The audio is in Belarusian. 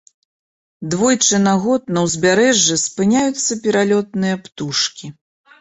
Двойчы на год на ўзбярэжжы спыняюцца пералётныя птушкі.